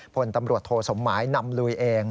พลตำรวจโทสมหมายนำลุยเอง